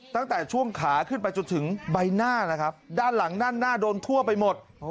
ตั้งแต่ช่วงขาขึ้นไปจนถึงใบหน้านะครับด้านหลังด้านหน้าโดนทั่วไปหมด